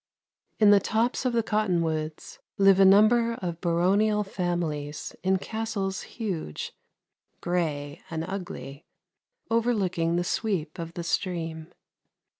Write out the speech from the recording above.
In the tops of the cottonwoods live a number of baronial families in castles huge, gray and ugly, overlooking the sweep of the stream.